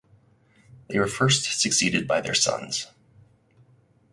They were first succeeded by their sons.